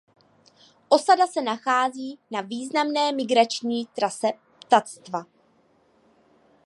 Osada se nachází na významné migrační trase ptactva.